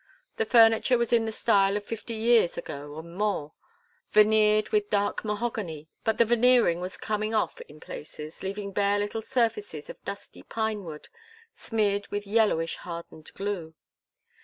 The furniture was in the style of fifty years ago or more, veneered with dark mahogany, but the veneering was coming off in places, leaving bare little surfaces of dusty pine wood smeared with yellowish, hardened glue.